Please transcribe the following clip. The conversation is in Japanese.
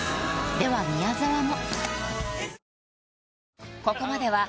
では宮沢も。